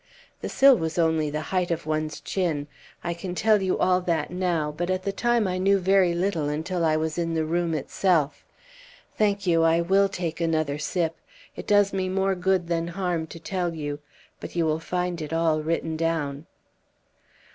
The sill was only the height of one's chin. I can tell you all that now, but at the time I knew very little until I was in the room itself. Thank you, I will take another sip. It does me more good than harm to tell you. But you will find it all written down."